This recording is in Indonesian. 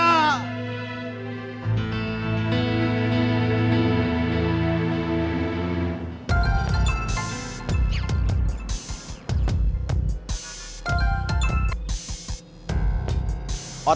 teriung teriung teriung